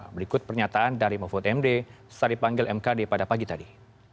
berikut pernyataan dari mahfud md setelah dipanggil mkd pada pagi tadi